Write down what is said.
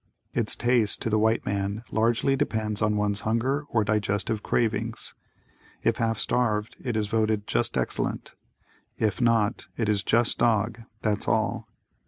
Its taste to the white man largely depends on one's hunger or digestive cravings. If half starved, it is voted "just excellent." If not, it is "just dog," that's all.